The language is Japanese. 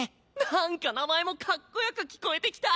なんか名前もかっこよく聞こえてきた！